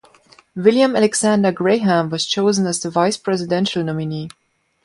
William Alexander Graham was chosen as the vice-presidential nominee.